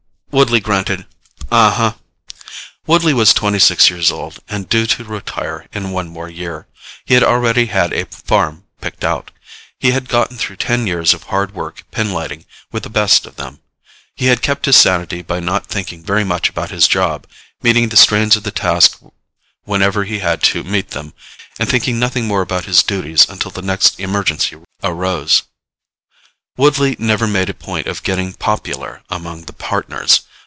Woodley grunted, "Uh huh." Woodley was twenty six years old and due to retire in one more year. He already had a farm picked out. He had gotten through ten years of hard work pinlighting with the best of them. He had kept his sanity by not thinking very much about his job, meeting the strains of the task whenever he had to meet them and thinking nothing more about his duties until the next emergency arose. Woodley never made a point of getting popular among the Partners.